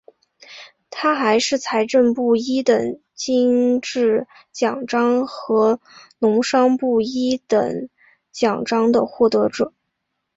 他还是财政部一等金质奖章和农商部一等奖章的获得者。